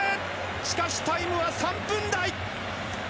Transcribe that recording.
しかし、タイムは３分台！